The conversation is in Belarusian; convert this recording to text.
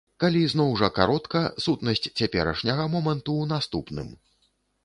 Калі зноў жа каротка, сутнасць цяперашняга моманту ў наступным.